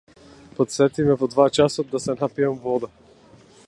Потсети ме во два часот да се напијам вода.